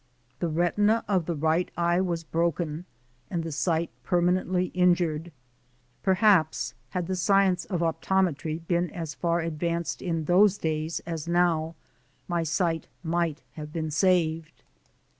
The retina of the right eye was broken and the sight permanently injured. Perhaps had the science of optometry been as far advanced in those days as now, my sight might have been saved.